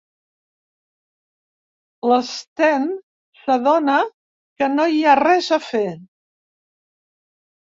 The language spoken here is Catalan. L'Sten s'adona que no hi ha res a fer.